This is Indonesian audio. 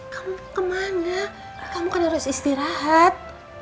kamu kemana kamu kan harus istirahat